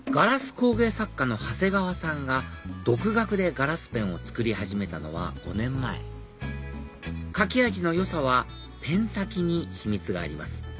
工芸作家の長谷川さんが独学でガラスペンを作り始めたのは５年前書き味の良さはペン先に秘密があります